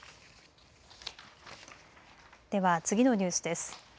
では次のニュースです。